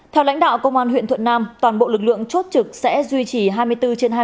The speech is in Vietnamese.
theo lãnh đạo công an huyện thuận nam toàn bộ lực lượng chốt trực sẽ duy trì hai mươi bốn trường